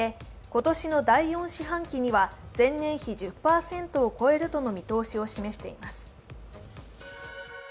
今年の第４四半期には前年比１０％を超えるとの見通しを示しています。